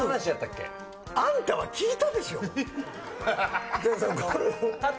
あんたは聞いたでしょ？